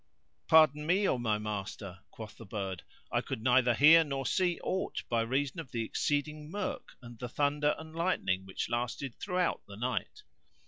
"Pardon me, O my master," quoth the bird, "I could neither hear nor see aught by reason of the exceeding murk and the thunder and lightning which lasted throughout the night."